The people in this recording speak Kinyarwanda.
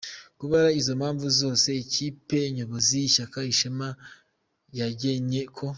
Kubera izo mpamvu zose, Ikipe Nyobozi y’Ishyaka Ishema yagennye ko :